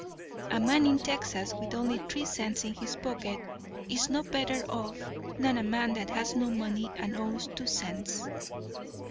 A man in Texas with only three cents in his pocket is no better off than a man that has no money and owes two cents.